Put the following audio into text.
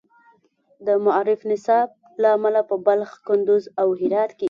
د معارف نصاب له امله په بلخ، کندز، او هرات کې